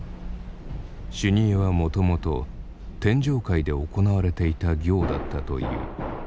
修二会はもともと天上界で行われていた行だったという。